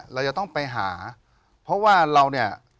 เราจะต้องไปหาเพราะว่าเราเนี่ย